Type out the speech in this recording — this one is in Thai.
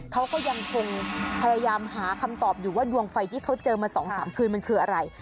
เขาก็ยังคงพยายามหาคำตอบอยู่ว่าดวงไฟที่เขาเจอมา๒๓คืนมันคืออะไร